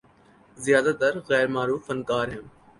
زیادہ تر غیر معروف فنکار ہیں۔